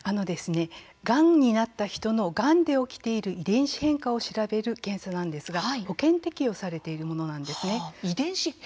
がんになった人のがんで起きている遺伝子変化を調べる検査なんですが保険適用されているものなんです。